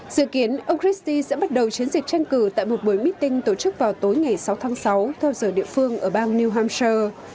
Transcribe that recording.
dự kiến ông risti sẽ bắt đầu chiến dịch tranh cử tại một buổi meeting tổ chức vào tối ngày sáu tháng sáu theo giờ địa phương ở bang new hampshire